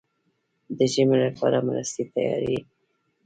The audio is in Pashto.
د ژمي لپاره مرستې تیارې دي؟